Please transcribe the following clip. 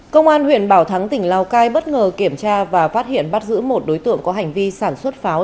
công an huyện bảo thắng tỉnh lào cai bất ngờ kiểm tra và phát hiện bắt giữ một đối tượng có hành vi sản xuất pháo